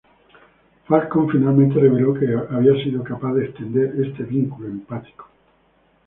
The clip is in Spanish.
Falcon finalmente reveló que ha sido capaz de extender este vínculo empático.